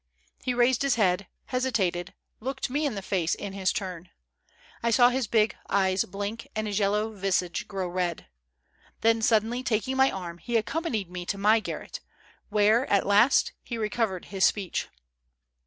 He raised his head, hesitated, looked me in the face in his turn. I saw his big eyes blink and his yellow visage grow red. Then, suddenly taking my arm, he accompanied me to my garret, where, at last, he re covered his speech.